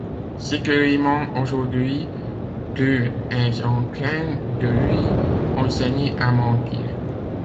Si tu lui mens aujourd'hui, tu es en train de lui enseigner à mentir.